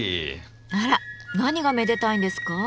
あら何がめでたいんですか？